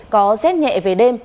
có rét nhẹ về đêm